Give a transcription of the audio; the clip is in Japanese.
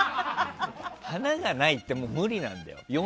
華がないって、もう無理なんだよ。